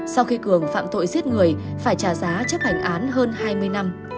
sau khi cường phạm tội giết người phải trả giá chấp hành án hơn hai mươi năm